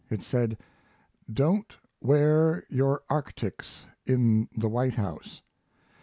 It said: "Don't wear your arctics in the White House."